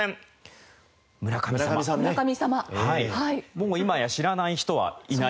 もう今や知らない人はいない。